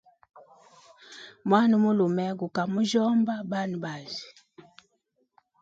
Mwana mulume guka mujyomba banabazi.